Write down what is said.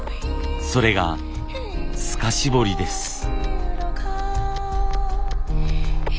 それが透かし彫りです。